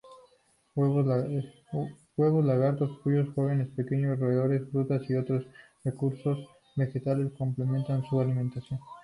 Huevos, lagartos, pollos jóvenes, pequeños roedores, fruta y otros recursos vegetales complementan su alimentación.